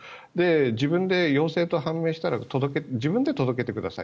自分で陽性と判明したら自分で届けてください。